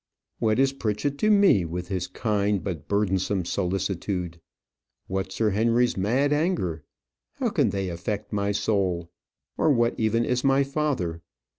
"What is Pritchett to me, with his kind, but burdensome solicitude? what Sir Henry's mad anger? How can they affect my soul? or what even is my father?